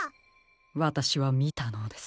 わたしはみたのです。